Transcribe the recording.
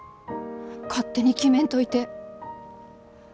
勝手に決めんといて。